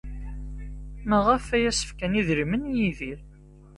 Maɣef ay as-fkan idrimen i Yidir?